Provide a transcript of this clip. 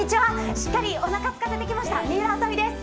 しっかりおなかすかせてきました、水卜麻美です。